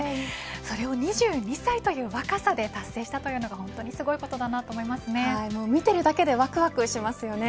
それを２２歳という若さで達成したというのが本当にすごい見ているだけでわくわくしますよね。